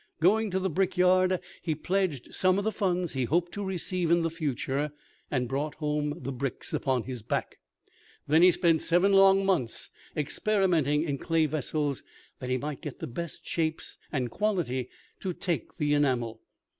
Going to the brick yard, he pledged some of the funds he hoped to receive in the future, and brought home the bricks upon his back. Then he spent seven long months experimenting in clay vessels, that he might get the best shapes and quality to take the enamel.